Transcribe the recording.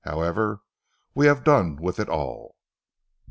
However we have done with it all."